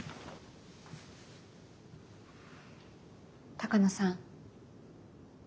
鷹野さん。